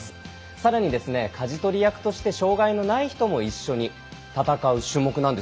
さらにかじ取り役として障がいのない人も一緒に戦う種目なんです。